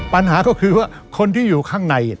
ปัญหาก็คือว่าคนที่อยู่ข้างใน